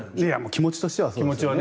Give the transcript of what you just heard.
気持ちとしてはそうです。